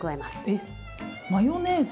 えっマヨネーズ？